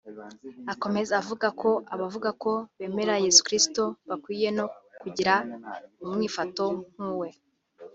Akomeza avuga ko abavuga ko bemera Yesu Kristo bakwiye no kugira umwifato nk’uwe